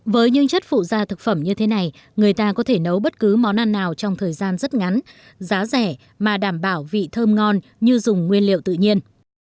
với những chất phụ da thực phẩm như thế này người ta có thể nấu bất cứ món ăn nào trong thời gian rất ngắn giá rẻ mà đảm bảo vị thơm ngon như dùng nguyên liệu tự nhiên